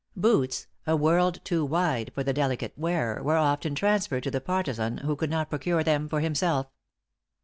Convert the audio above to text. Boots, "a world too wide" for the delicate wearer, were often transferred to the partisan who could not procure them for himself.